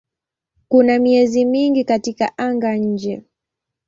Kuna miezi mingi katika anga-nje.